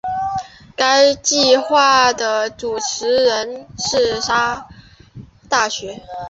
该计画的主持人是华沙大学的。